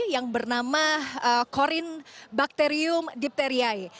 yang bernama corin bacterium dipteriae